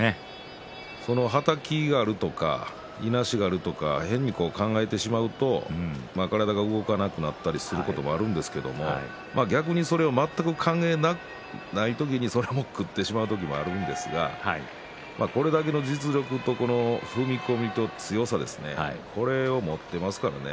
そのはたきがあるとかいなしがあるとか変に考えてしまうと体が動かなくなったりすることもあるんですけれども逆に全くそれを考えない時にそれを食ってしまうこともあるんですがこれだけの実力と踏み込みと、強さこれを持っていますからね。